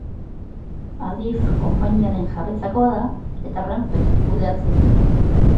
Adif konpainiaren jabetzakoa da eta Renfek kudeatzen du.